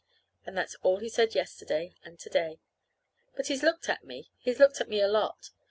And that's all he's said yesterday and to day. But he's looked at me. He's looked at me a lot.